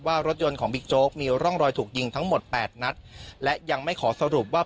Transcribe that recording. รถยนต์ของบิ๊กโจ๊กมีร่องรอยถูกยิงทั้งหมดแปดนัดและยังไม่ขอสรุปว่า